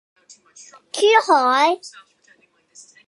珠海